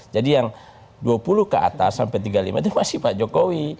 jadi yang dua puluh ke atas sampai tiga puluh lima itu masih pak jokowi